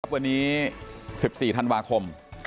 วันนี้๑๔ธันวาคม